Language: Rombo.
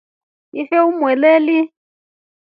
Ife umweleli.